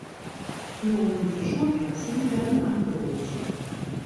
Führungen für Schulklassen werden angeboten.